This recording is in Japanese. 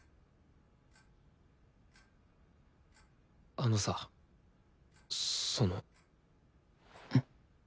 あのさその。